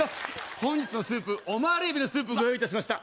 本日のスープオマールエビのスープご用意いたしました